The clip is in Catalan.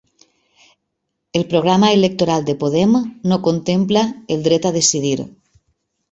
El programa electoral de Podem no contempla el dret a decidir